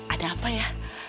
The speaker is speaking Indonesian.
ada apa ya